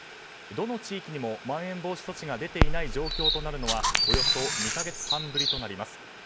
どの地域にも、まん延防止措置が出ていない状況となるのはおよそ２か月半ぶりとなります。